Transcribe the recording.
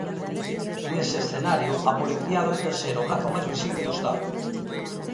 Nese escenario, "a policía adoita ser o brazo máis visible do estado".